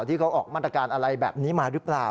ที่เขาออกมาตรการอะไรแบบนี้มาหรือเปล่า